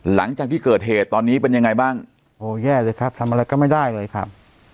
หลังจากที่เกิดเหตุตอนนี้เป็นยังไงบ้างโอ้แย่เลยครับทำอะไรก็ไม่ได้เลยครับ